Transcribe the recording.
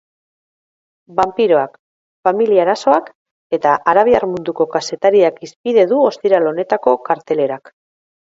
Banpiroak, familia arazoak eta arabiar munduko kazetariak hizpide du ostiral honetako kartelerak.